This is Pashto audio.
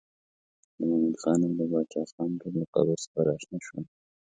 د مومن خان او د باچا لور له قبر څخه راشنه شول.